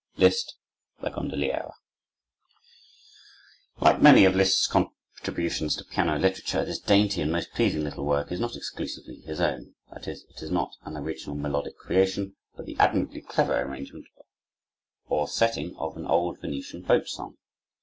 Liszt: La Gondoliera Like many of Liszt's contributions to piano literature, this dainty and most pleasing little work is not exclusively his own; that is, it is not an original melodic creation, but the admirably clever arrangement or setting of an old Venetian boat song.